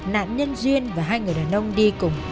nạn nhân duyên và hai người đàn ông đi cùng